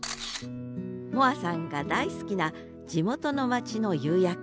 萌晏さんが大好きな地元の町の夕焼け。